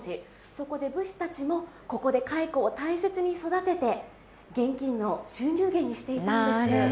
そこで武士たちもここで蚕を大切に育てて現金の収入源にしていたんです。